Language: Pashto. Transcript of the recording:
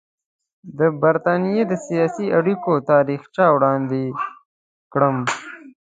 د برټانیې د سیاسي اړیکو تاریخچه وړاندې کړم.